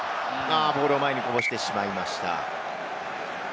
ボールを前にこぼしてしまいました。